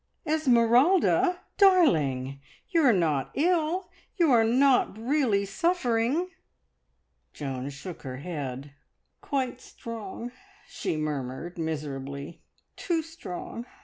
"Esmeralda! Darling! You are not ill? You are not really suffering?" Joan shook her head. "Quite strong," she murmured miserably; "too strong.